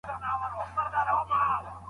د عملیات خونې نرسان څه کوي؟